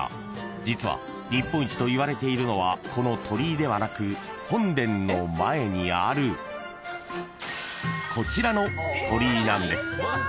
［実は日本一といわれているのはこの鳥居ではなく本殿の前にあるこちらの鳥居なんです］